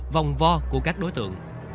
vòng vo của các đối tượng